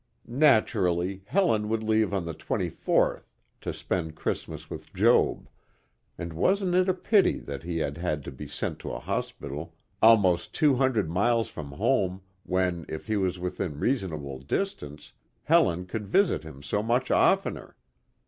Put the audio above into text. Naturally, Helen would leave on the twenty fourth to spend Christmas with Joab and wasn't it a pity that he had had to be sent to a hospital almost two hundred miles from home when, if he was within reasonable distance, Helen could visit him so much oftener?